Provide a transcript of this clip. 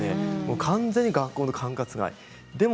完全に学校の管轄外です。